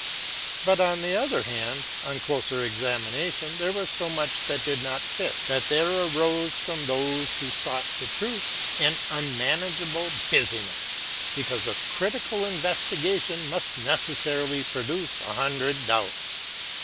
But on the other hand, on closer examination, there was so much that did not fit, that there arose, for those who sought the truth, an unmanageable business, because a critical investi gation must necessarily produce a hundred doubts.